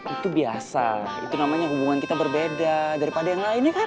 itu biasa itu namanya hubungan kita berbeda daripada yang lainnya kan